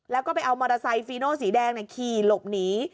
แล้วก็ไปเอามอเตอร์ไซค์ฟีโน่สีแดงขี่หลบหนี